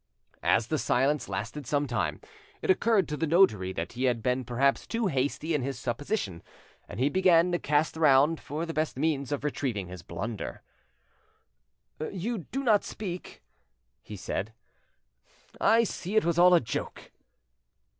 As the silence lasted some time, it occurred to the notary that he had been perhaps too hasty in his supposition, and he began to cast round for the best means of retrieving his blunder. "You do not speak," he said; "I see it was all a joke."